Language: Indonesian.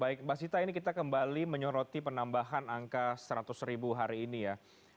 baik mbak sita ini kita kembali menyoroti penambahan angka seratus ribu hari ini ya